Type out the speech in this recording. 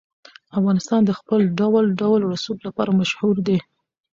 افغانستان د خپل ډول ډول رسوب لپاره مشهور دی.